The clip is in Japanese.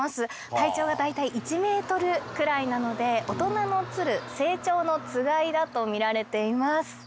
体長が大体１ｍくらいなので大人のツル成鳥のつがいだとみられています。